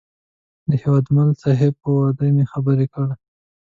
د هیوادمل صاحب په وعده مې خبر کړ.